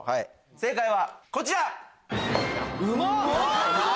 正解はこちら！